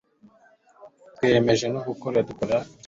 twiyemeje ni ugukora, dukorere byose